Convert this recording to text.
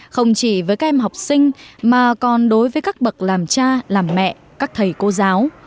không chỉ với các em học sinh mà còn đối với các bậc làm cha làm mẹ các thầy cô giáo